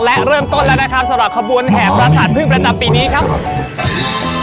และเริ่มต้นแล้วนะครับสลัดขบวนแห่งวัฒนภิกษาพึ่งประจำปีนี้ครับ